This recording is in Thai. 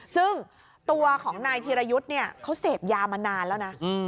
ซึ่งตัวของนายธีรยุทธ์เนี่ยเขาเสพยามานานแล้วนะ